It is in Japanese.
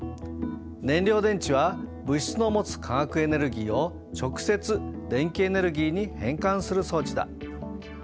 燃料電池は物質の持つ化学エネルギーを直接電気エネルギーに変換する装置だ。